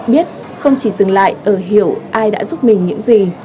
biết không chỉ dừng lại ở hiểu ai đã giúp mình những gì